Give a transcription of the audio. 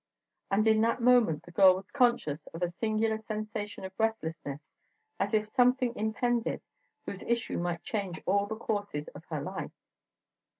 And in that moment the girl was conscious of a singular sensation of breathlessness, as if something impended whose issue might change all the courses of her life.